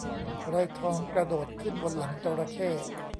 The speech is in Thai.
ไกรทองกระโดดขึ้นบนหลังจระเข้